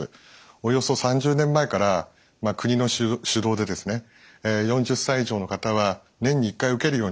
およそ３０年前から国の主導でですね４０歳以上の方は年に１回受けるようにすすめられてきました。